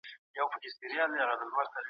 بڼوال ونو ته اوبه ورکولي.